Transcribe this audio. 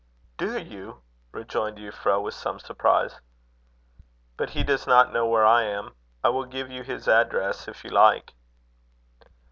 "Do you?" rejoined Euphra with some surprise. "But he does not know where I am. I will give you his address, if you like."